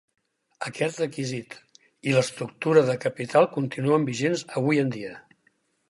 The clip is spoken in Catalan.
Aquest requisit i l'estructura de capital continuen vigents avui en dia.